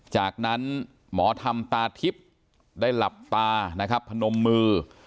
จากนั้นหมอทำตาทิพย์ได้หลับตาพนมมือ